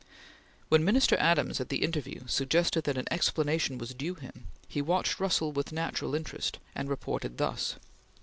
When Minister Adams, at the interview, suggested that an explanation was due him, he watched Russell with natural interest, and reported thus